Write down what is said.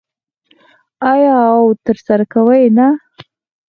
آیا او ترسره کوي یې نه؟